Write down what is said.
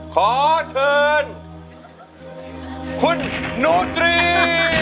ขอเชิญคุณนูตรี